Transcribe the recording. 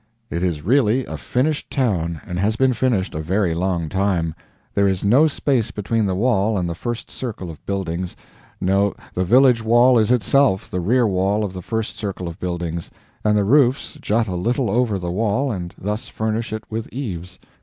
It is really a finished town, and has been finished a very long time. There is no space between the wall and the first circle of buildings; no, the village wall is itself the rear wall of the first circle of buildings, and the roofs jut a little over the wall and thus furnish it with eaves.